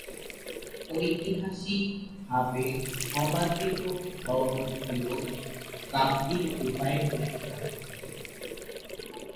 ঐতিহাসিক ভাবে সমাদৃত ধরন হলো কাব্যিক উপায়ে লেখা।